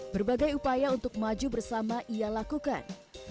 berbagai upaya untuk maju bersama ia lakukan